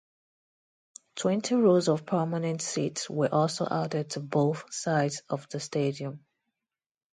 Twenty rows of permanent seats were also added to both sides of the stadium.